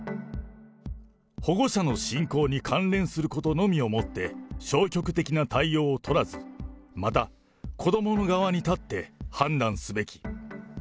保護者の信仰に関連することのみをもって、消極的な対応を取らず、また、子どもの側に立って判断すべき。